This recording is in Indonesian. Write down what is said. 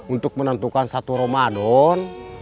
untuk menentukan satu ramadan